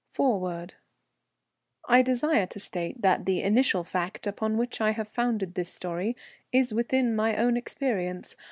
A._ FOREWORD _I desire to state that the initial fact upon which I have founded this story is within my own experience.